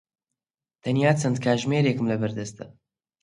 تەنیا چەند کاتژمێرێکم لەبەردەستە.